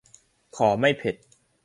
ขอไม่เผ็ด